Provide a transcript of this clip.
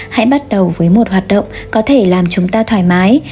hãy bắt đầu với một hoạt động có thể làm chúng ta thoải mái